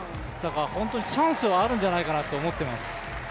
本当にチャンスはあるんじゃないかなと思ってます。